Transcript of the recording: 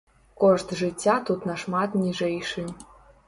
Кошт жыцця тут нашмат ніжэйшы.